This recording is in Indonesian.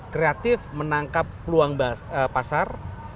kreatif menangkap peluang pasar